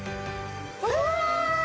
うわ！